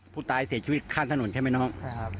ผู้ตายเสียชีวิตฆ่าถนนใช่ไหมน้องใช่ครับ